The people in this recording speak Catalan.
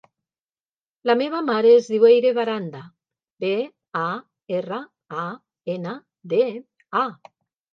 La meva mare es diu Eire Baranda: be, a, erra, a, ena, de, a.